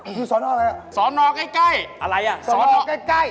ที่สอนออกอะไรอะสอนออกใกล้อะไรอะสอนออกใกล้